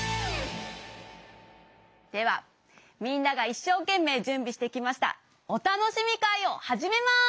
ではみんながいっしょうけんめいじゅんびしてきましたおたのしみかいをはじめます！